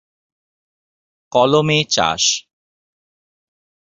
কলমে চাষ।